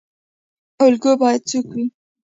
الګو باید څوک وي؟